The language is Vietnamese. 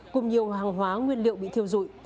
cùng nhiều hàng hóa nguyên liệu bị thiêu dụi